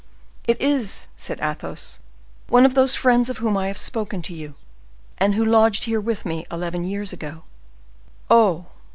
"It is," said Athos, "one of those friends of whom I have spoken to you, and who lodged here with me eleven years ago." "Oh!